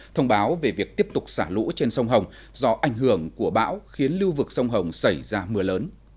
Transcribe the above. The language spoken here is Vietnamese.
thông báo về việc tiếp tục xả lũ trên sông hồng do ảnh hưởng của bão khiến lưu vực sông hồng xảy ra mưa lớn